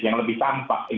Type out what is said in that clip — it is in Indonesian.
yang lebih tampak